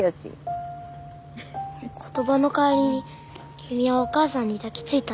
言葉の代わりに君はお母さんに抱きついた。